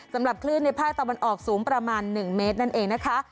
สำหรับคลื่นในภาคตะวันออกสูงประมาณ๑เมตรนั่นเองนะคะ